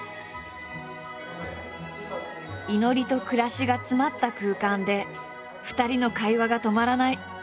祈りと暮らしが詰まった空間で２人の会話が止まらない。